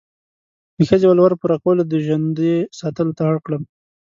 د ښځې ولور پوره کولو، د ژندې ساتلو ته اړ کړم.